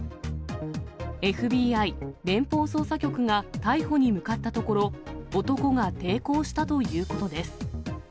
ＦＢＩ・連邦捜査局が逮捕に向かったところ、男が抵抗したということです。